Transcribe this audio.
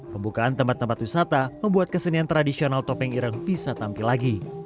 pembukaan tempat tempat wisata membuat kesenian tradisional topeng ireng bisa tampil lagi